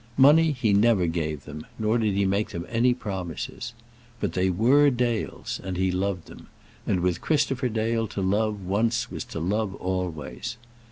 Money he never gave them, nor did he make them any promises. But they were Dales, and he loved them; and with Christopher Dale to love once was to love always.